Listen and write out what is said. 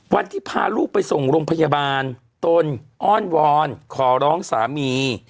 พาลูกไปส่งโรงพยาบาลตนอ้อนวอนขอร้องสามี